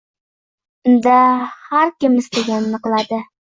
Unda har kim istaganini qiladi.